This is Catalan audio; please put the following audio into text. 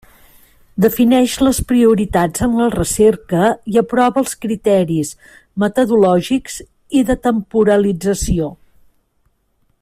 Defineix les prioritats en la recerca i aprova els criteris metodològics i de temporalització.